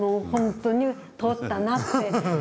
本当に通ったなって。